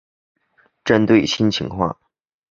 针对新情况